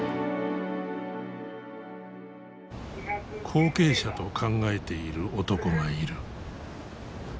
後継者と考えている男がいる。